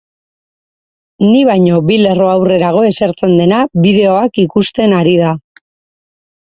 Ni baino bi lerro aurrerago esertzen dena bideoak ikusten ari da.